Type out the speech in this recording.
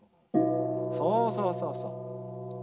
そうそうそうそう。